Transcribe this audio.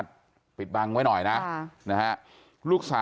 ความปลอดภัยของนายอภิรักษ์และครอบครัวด้วยซ้ำ